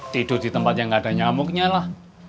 tidur ditempat yang gak ada nyamuknya lah